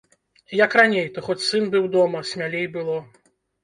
Як раней, то хоць сын быў дома, смялей было.